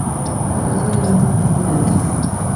Carece de bajo por pedales.